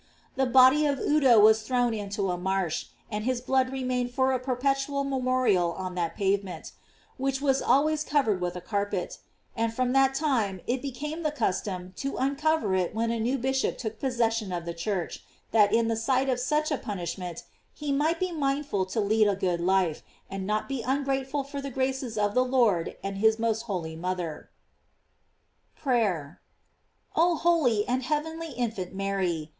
The body of Udo was thrown into a marsh, and his blood remained for a perpetual memorial on that pavement, which was always covered with a carpet; and from that time it became the cus tom to uncover it when a new bishop took pos session of the church, that at the sight of such a punishment he might be mindful to lead a good life, and not be ungrateful for the graces of the Lord and of his most holy mother. PRAYER. Oh holy and heavenly infant Mary!